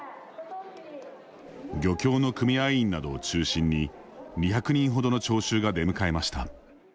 漁協の組合員などを中心に２００人程の聴衆が出迎えました。